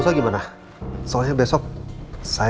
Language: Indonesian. gak ada apa